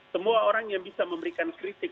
semua orang yang bisa memberikan kritik